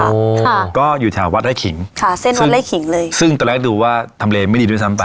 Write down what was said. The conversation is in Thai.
โอ้ค่ะก็อยู่แถววัดไร่ขิงค่ะเส้นวัดไล่ขิงเลยซึ่งตอนแรกดูว่าทำเลไม่ดีด้วยซ้ำไป